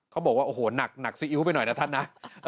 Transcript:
เขาบอกว่าโอ้โหหนักซีอิ๊วไปหน่อยนะท่านนะ